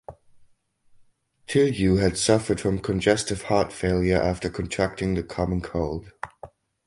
Tilyou had suffered from congestive heart failure after contracting the common cold.